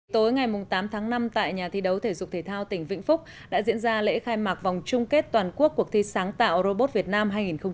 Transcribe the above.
tối ngày tám tháng năm tại nhà thi đấu thể dục thể thao tỉnh vĩnh phúc đã diễn ra lễ khai mạc vòng chung kết toàn quốc cuộc thi sáng tạo robot việt nam hai nghìn một mươi chín